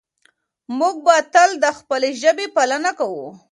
موږ به تل د خپلې ژبې پالنه کوو.